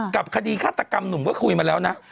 กับคดีฆาตกรรมหนุ่มก็คุยมาแล้วนะ